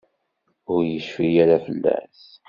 Ur yecfi ara fell-as?